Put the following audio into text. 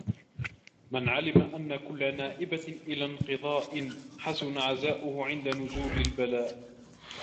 مَنْ عَلِمَ أَنَّ كُلَّ نَائِبَةٍ إلَى انْقِضَاءٍ حَسُنَ عَزَاؤُهُ عِنْدَ نُزُولِ الْبَلَاءِ